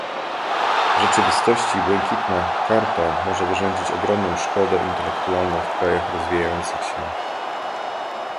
W rzeczywistości błękitna karta może wyrządzić ogromną szkodę intelektualną w krajach rozwijających się